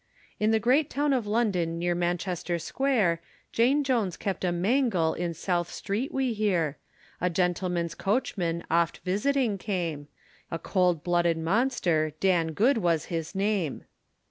In the great town of London near Manchester square, Jane Jones kept a mangle in South street we hear, A gentleman's coachman oft visiting came, A cold blooded monster, Dan Good was his name.